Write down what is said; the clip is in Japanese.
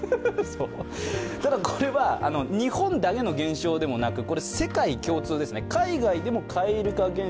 ただこれは日本だけの現象だけでもなく世界共通です。